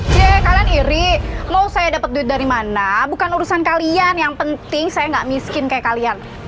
cek kalian iri mau saya dapat duit dari mana bukan urusan kalian yang penting saya gak miskin kayak kalian